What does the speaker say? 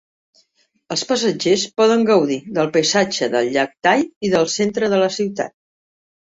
Els passatgers poden gaudir del paisatge del llac Tai i del centre de la ciutat.